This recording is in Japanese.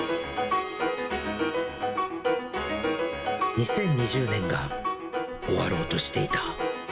２０２０年が終わろうとしていた。